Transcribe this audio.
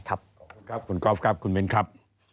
ขอบคุณครับคุณกอล์ฟครับคุณมิ้นครับ